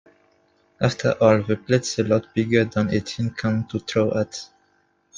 "After all, the plate's a lot bigger than a tin can to throw at".